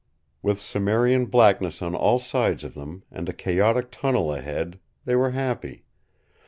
With cimmerian blackness on all sides of them, and a chaotic tunnel ahead, they were happy.